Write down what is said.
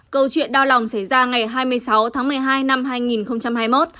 câu chuyện đau lòng xảy ra ngày hai mươi sáu tháng một mươi hai năm hai nghìn hai mươi một